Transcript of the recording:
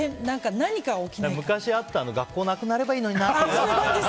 昔あった学校なくなればいいのになって。